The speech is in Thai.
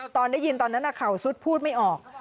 ตอนได้ยินตอนนั้นเข่าซุดพูดไม่ออก